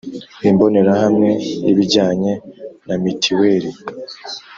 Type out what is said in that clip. imbonerahamwe y ibijyanye na mitiweri